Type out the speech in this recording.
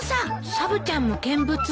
サブちゃんも見物に？